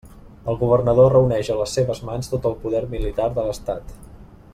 El governador reuneix a les seves mans tot el poder militar de l'estat.